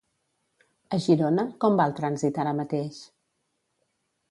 A Girona, com va el trànsit ara mateix?